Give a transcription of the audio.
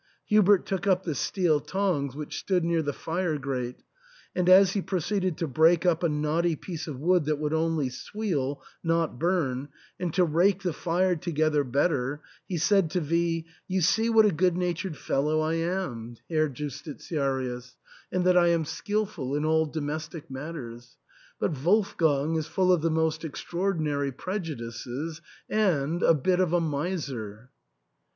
Hubert took up the steel tongs which stood near the fire grate, and as he proceeded to break up a knotty piece of wood that would only sweal, not burn, and to rake the fire together better, he said to V , "You see what a good natured fellow I am, THE ENTAIL. 287 Herr Justitiarius, and that I am skilful in all domestic matters. But Wolfgang is full of the most extra ordinary prejudices, and — a bit of a miser."